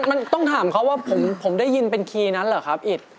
มันต้องถามเขาว่าผมได้ยินเป็นคีย์นั้นเหรอครับอิต